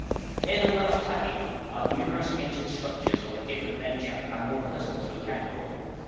Near the well of Hadi are numerous ancient structures of a different nature and more puzzling to account for.